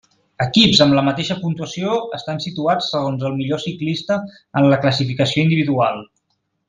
Equips amb la mateixa puntuació estan situats segons el millor ciclista en la classificació individual.